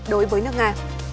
đối với nước nga